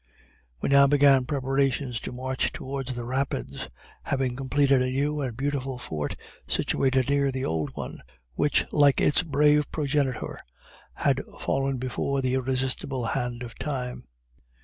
We now began preparations to march towards the Rapids having completed a new and beautiful fort, situated near the old one, which, like its brave progenitor, had fallen before the irresistible hand of time.